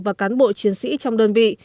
và cán bộ chiến sĩ trong đơn vị